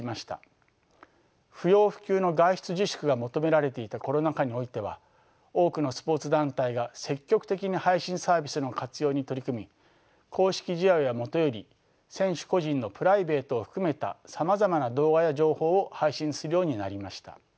不要不急の外出自粛が求められていたコロナ禍においては多くのスポーツ団体が積極的に配信サービスの活用に取り組み公式試合はもとより選手個人のプライベートを含めたさまざまな動画や情報を配信するようになりました。